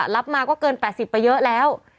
รับมาก็เกิน๘๐ไปเยอะแล้ว